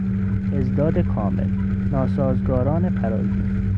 اضداد کامل، ناسازگاران پرازین